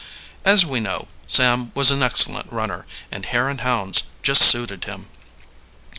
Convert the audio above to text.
As we know, Sam was an excellent runner, and hare and hounds just suited him.